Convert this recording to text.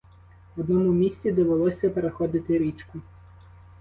В одному місці довелося переходити річку.